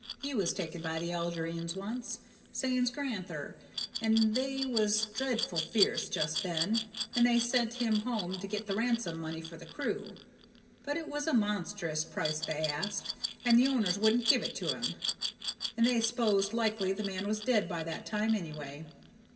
He was taken by the Algerines once, same's gran'ther, and they was dreadful f'erce just then, and they sent him home to get the ransom money for the crew; but it was a monstrous price they asked, and the owners wouldn't give it to him, and they s'posed likely the men was dead by that time, any way.